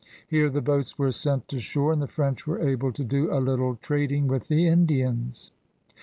Here the boats were sent ashore and the French were able to do a little trad ing with the Indians.